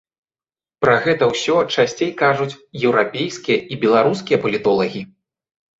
Пра гэта ўсё часцей кажуць еўрапейскія і беларускія палітолагі.